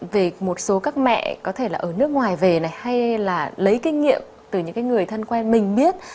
về một số các mẹ có thể là ở nước ngoài về này hay là lấy kinh nghiệm từ những người thân quen mình biết